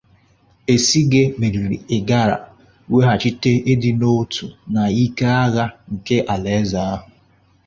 Esigie meriri Igala, weghachite idi na otu na ike agha nke ala eze ahu.